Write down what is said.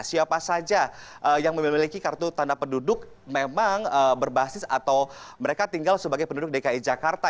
siapa saja yang memiliki kartu tanda penduduk memang berbasis atau mereka tinggal sebagai penduduk dki jakarta